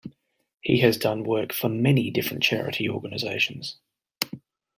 He has done work for many different charity organizations.